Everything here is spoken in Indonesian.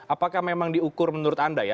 apakah memang diukur menurut anda ya